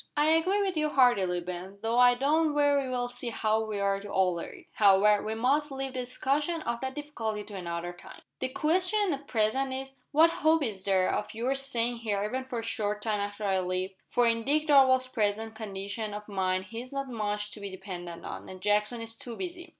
"I agree with you heartily, Ben, though I don't very well see how we are to alter it. However, we must leave the discussion of that difficulty to another time. The question at present is, what hope is there of your staying here even for a short time after I leave? for in Dick Darvall's present condition of mind he is not much to be depended on, and Jackson is too busy.